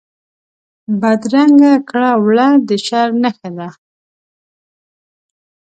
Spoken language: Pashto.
بدرنګه کړه وړه د شر نښه ده